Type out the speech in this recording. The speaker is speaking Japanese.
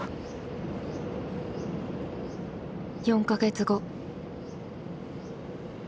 ４か月後。